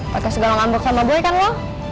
pakai segala ngambek sama gue kan lo